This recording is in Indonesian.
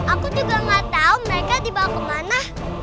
aku juga gak tahu mereka dibawa kemana